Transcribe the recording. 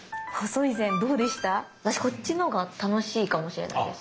私こっちのほうが楽しいかもしれないです。